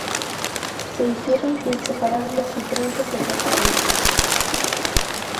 Se hicieron inseparables y pronto se casaron.